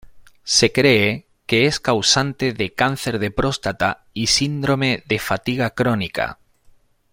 Se cree que es causante de cáncer de próstata y Síndrome de fatiga crónica.